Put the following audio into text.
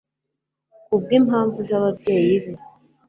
Kubwimpamvu zababyeyi be